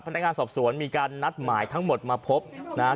พนักงานสอบสวนมีการนัดหมายทั้งหมดมาพบนะฮะ